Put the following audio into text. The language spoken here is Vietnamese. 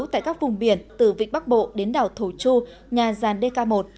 tại các vùng biển từ vịnh bắc bộ đến đảo thổ chu nhà gian dk một